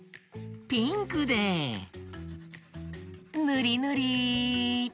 ピンクでぬりぬり。